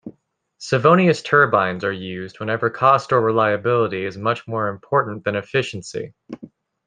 Savonius turbines are used whenever cost or reliability is much more important than efficiency.